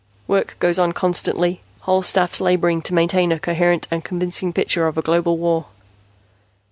"Work goes on constantly, whole staffs laboring to maintain a coherent and convincing picture of a global war."